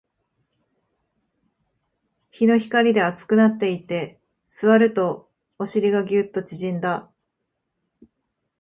日の光で熱くなっていて、座るとお尻がギュッと縮んだ